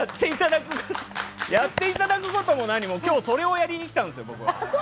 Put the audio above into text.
やっていただくことも何も今日、それをやりに来たんですよ。